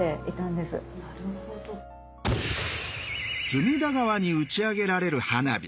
隅田川に打ち上げられる花火。